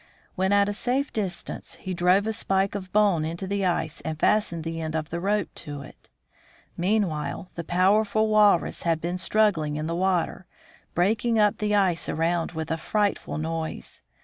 When at a safe distance, he drove a spike of bone into the ice and fastened the end of the rope to it. Meanwhile, the powerful walrus had been struggling in the water, breaking up the ice around with a frightful noise.